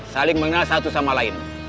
saling mengenal satu sama lain